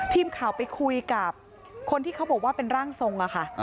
ทีมข่าวไปคุยกับคนที่เขาบอกว่าเป็นร่างทรงอะค่ะ